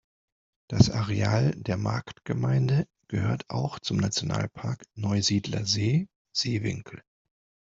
Das Areal der Marktgemeinde gehört auch zum Nationalpark Neusiedlersee-Seewinkel.